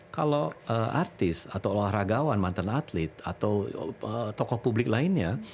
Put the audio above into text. kalau artis atau olahragawan mantan atlet atau tokoh publik lainnya